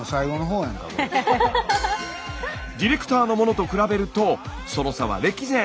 ディレクターのものと比べるとその差は歴然。